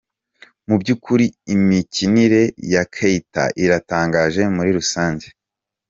Mu byukuri imikinire ya Keita iratangaje muri rusange.